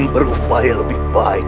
kau akan menang